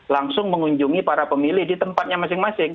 langsung mengunjungi para pemilih di tempatnya masing masing